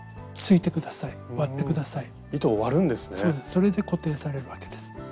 それで固定されるわけです。